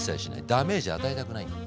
ダメージ与えたくない。